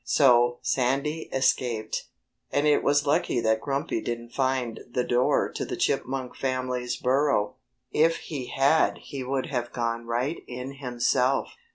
So Sandy escaped. And it was lucky that Grumpy didn't find the door to the Chipmunk family's burrow. If he had he would have gone right in himself.